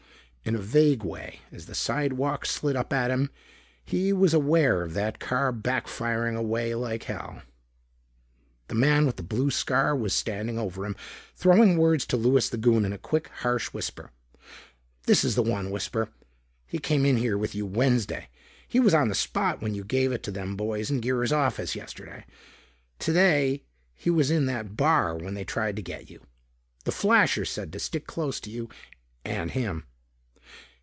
In a vague way, as the sidewalk slid up at him, he was aware of that car back firing away like hell. The man with the blue scar was standing over him, throwing words to Louis the Goon in a quick, harsh whisper. "This is the one, Whisper. He come in here with you Wednesday. He was on the spot when you give it to them boys in Girra's office, yesterday. Today, he was in that bar when they tried to get you. The Flasher said to stick close to you an' him."